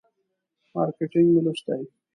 مارکیټینګ مې لوستی.